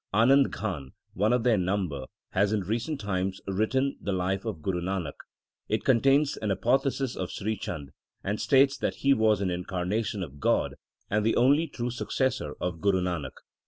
Anand Ghan, one of their number, has in recent times written the life of Guru Nanak. It contains an apotheosis of Sri Chand, and states that he was an incar nation of God, and the only true successor of Guru Nanak.